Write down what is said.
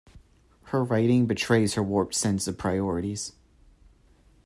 Her writing betrays her warped sense of priorities.